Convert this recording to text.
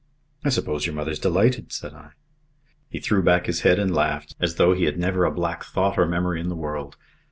"I suppose your mother's delighted," said I. He threw back his head and laughed, as though he had never a black thought or memory in the world.